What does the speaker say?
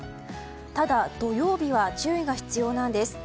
ただ土曜日は注意が必要なんです。